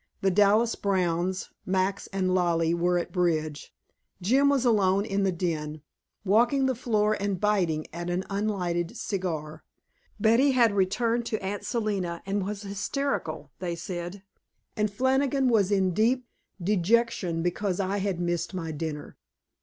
The Dallas Browns, Max and Lollie were at bridge; Jim was alone in the den, walking the floor and biting at an unlighted cigar; Betty had returned to Aunt Selina and was hysterical, they said, and Flannigan was in deep dejection because I had missed my dinner.